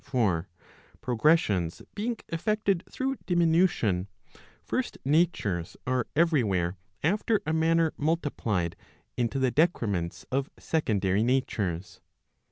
386 For progressions being effected through diminution, first natures are every where after a manner multiplied into the decrements of secondary natures.